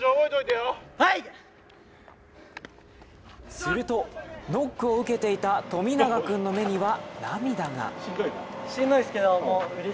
すると、ノックを受けていた富永君の目には涙が。